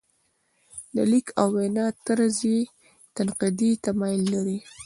د لیک او وینا طرز یې تنقیدي تمایل لري.